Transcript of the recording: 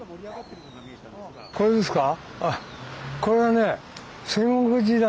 これですか？